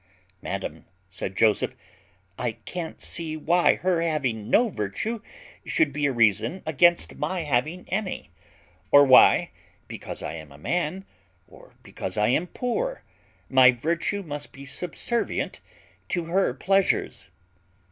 "Madam," said Joseph, "I can't see why her having no virtue should be a reason against my having any; or why, because I am a man, or because I am poor, my virtue must be subservient to her pleasures."